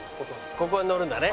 ここにのるんだね。